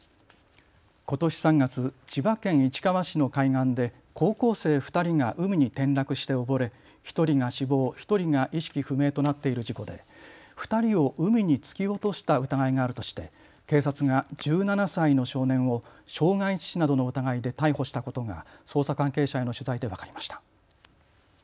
ことし３月、千葉県市川市の海岸で高校生２人が海に転落して溺れ１人が死亡１人が意識不明となっている事故で２人を海に突き落とした疑いがあるとして警察が１７歳の少年を傷害致死などの疑いで逮捕したことが捜査関係者への取材で分かりました。